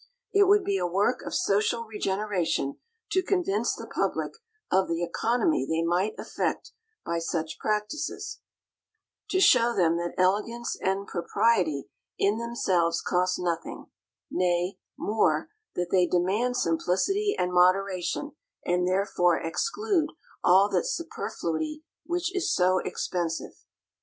It would be a work of social regeneration to convince the public of the economy they might effect by such practises, to show them that elegance and propriety in themselves cost nothing nay, more, that they demand simplicity and moderation, and therefore exclude all that superfluity which is so expensive.